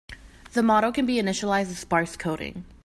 The model can be initialized with sparse coding.